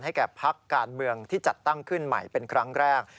แก่พักการเมืองที่จัดตั้งขึ้นใหม่เป็นครั้งแรก